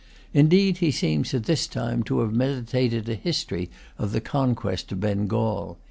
Indeed he seems, at this time, to have meditated a history of the conquest of Bengal.